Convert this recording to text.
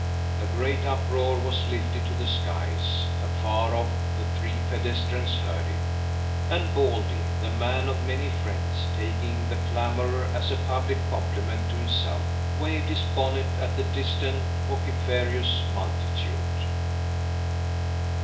A great uproar was lifted to the skies; afar off the three pedestrians heard it, and Baldy, the man of many friends, taking the clamour as a public compliment to himself, waved his bonnet at the distant vociferous multitude.